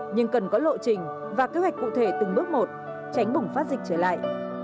nhưng cần có lộ trình và kế hoạch cụ thể từng bước một tránh bùng phát dịch trở lại